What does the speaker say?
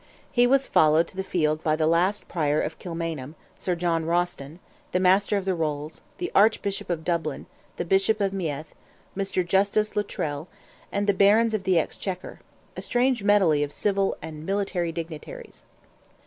He was followed to the field by the last Prior of Kilmainham, Sir John Rawson, the Master of the Rolls, the Archbishop of Dublin, the Bishop of Meath, Mr. Justice Luttrell, and the Barons of the Exchequer a strange medley of civil and military dignitaries.